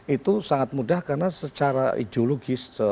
itu sangat mudah karena secara ideologis